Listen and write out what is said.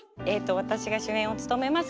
私が主演を務めます